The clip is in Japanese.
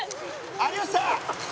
「有吉さん！」